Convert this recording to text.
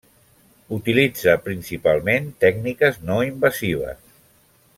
Utilitza principalment tècniques no invasives.